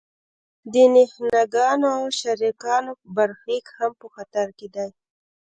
د نهنګانو او شارکانو برخلیک هم په خطر کې دی.